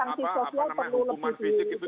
apa apa nama hukuman fisik itu